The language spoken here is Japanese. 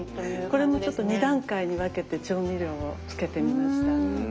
これもちょっと２段階に分けて調味料をつけてみました。